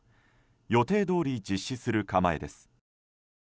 予定どおり実施する構えです。